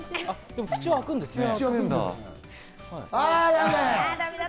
でも、口は開くんですね。